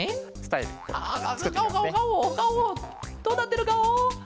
どうなってるガオ？